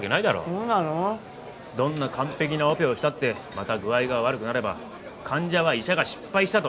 どんな完璧なオペをしたってまた具合が悪くなれば患者は医者が失敗したと思う。